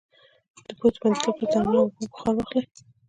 د پوزې د بندیدو لپاره د نعناع او اوبو بخار واخلئ